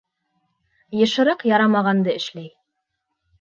Йышыраҡ ярамағанды эшләй.